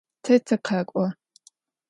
Тэ тыкъэкӏо.